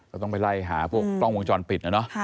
ก็ต้องไปไล่หาพวกกล้องวงจรปิดนะเนาะ